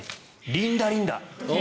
「リンダリンダ」。